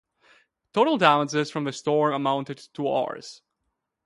Total damages from the storm amounted to Rs.